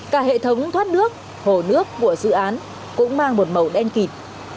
cả hệ thống thoát nước hồ nước của dự án cũng mang một màu đen kịt